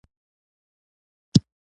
غرمه د ذهن د پاکېدو لپاره فرصت دی